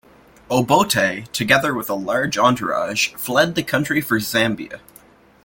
Obote, together with a large entourage, fled the country for Zambia.